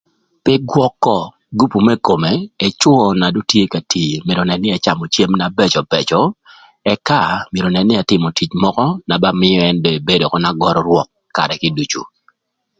Pï gwökö gupu më kome, ëcwö na dong tye ka tii myero önën nï ëcamö cem na bëbëcö ëka myero önën nï ëtïmö tic mökö na ba mïö ën dong ebedo ökö na görü rwök karë kiducu.